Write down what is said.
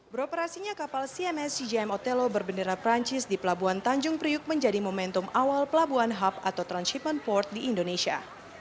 beroperasinya kapal cms cgm otelo berbendera perancis di pelabuhan tanjung priuk menjadi momentum awal pelabuhan hub atau transhipment port di indonesia